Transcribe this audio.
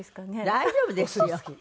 大丈夫ですよ。